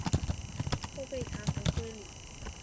后被弹劾归里。